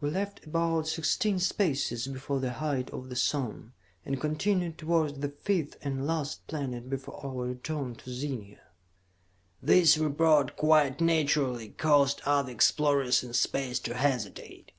"We left about sixteen spaces before the height of the sun, and continued towards the fifth and last planet before our return to Zenia." This report, quite naturally, caused other explorers in space to hesitate.